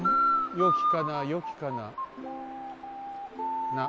よきかなよきかなな。